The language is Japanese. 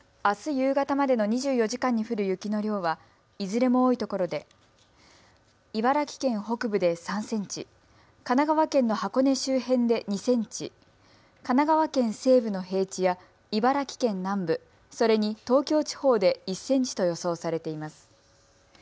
あす夕方までの２４時間に降る雪の量はいずれも多いところで茨城県北部で３センチ、神奈川県の箱根周辺で２センチ、神奈川県西部の平地や茨城県南部、それに東京地方で１センチと予想されています。